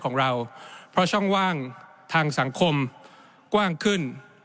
ของเราเพราะช่องว่างทางสังคมกว้างขึ้น